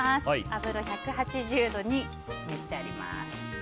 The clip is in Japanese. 油１８０度に熱してあります。